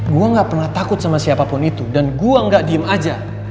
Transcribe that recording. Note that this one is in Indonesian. gue ngga pernah takut sama siapa pun itu dan gue ngga diem aja